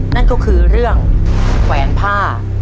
นั่นก็คือเรื่องแขวนผ้า